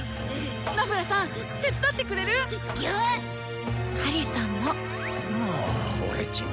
ナフラさん手伝ってくれる⁉アリさんも！も俺ちん